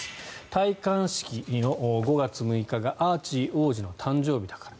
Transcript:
戴冠式の５月６日がアーチー王子の誕生日だから。